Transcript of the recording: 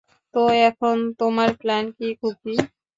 তো, এখন তোমার প্ল্যান কী, খুকী?